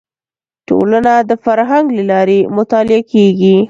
ټولنه د فرهنګ له لارې مطالعه کیږي